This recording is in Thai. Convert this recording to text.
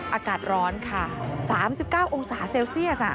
อากาศร้อนค่ะ๓๙องศาเซลเซียส